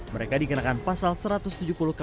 mereka diganakan pasal seratusan